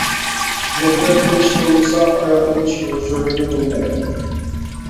مېھنەت قىلىش بولمىسا، ئارام ئېلىش ھۇزۇرىمۇ بولمايدۇ.